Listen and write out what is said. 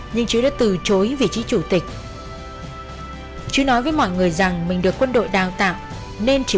nhưng chứ đã từ chối vị trí chủ tịch chữ nói với mọi người rằng mình được quân đội đào tạo nên chỉ